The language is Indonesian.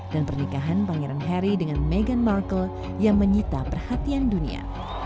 dan pernikahan pangeran harry dengan meghan markle yang menyita perhatian dunia